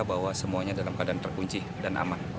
bahwa semuanya dalam keadaan terkunci dan aman